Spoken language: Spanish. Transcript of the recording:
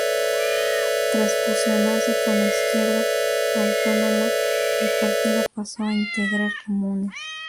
Tras fusionarse con Izquierda Autónoma, el partido pasó a integrar Comunes.